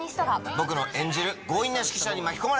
僕の演じる強引な指揮者に巻き込まれ。